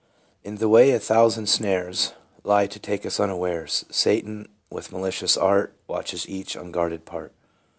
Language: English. " In the way a thousand snares Lie, to take us unawares ; Satan, with malicious art, Watches each unguarded part."